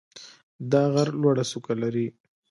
دا غر لوړه څوکه لري.